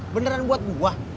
beneran buat gua